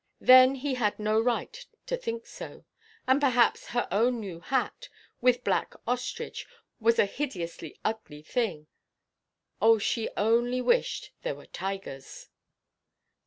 Then he had no right to think so. And perhaps her own new hat, with black ostrich, was a hideously ugly thing. Oh, she only wished there were tigers!